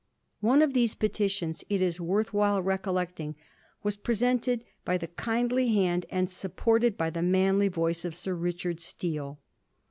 One of these petitions, it is worth while recollecting, was presented by the kindly hand and supported by the manly voice of Sir Richard Steele.